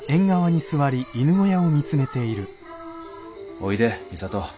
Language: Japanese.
おいで美里。